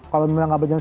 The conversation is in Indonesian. kalau nggak berjalan